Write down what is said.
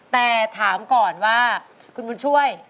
แต่ถามก่อนว่าคุณบุญช่วย